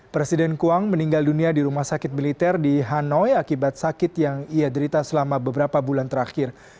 presiden quang meninggal dunia di rumah sakit militer di hanoi akibat sakit yang ia derita selama beberapa bulan terakhir